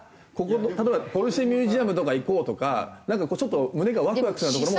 例えばポルシェミュージアムとか行こうとかなんかちょっと胸がワクワクするような所も。